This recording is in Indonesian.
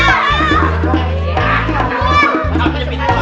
buka buka buka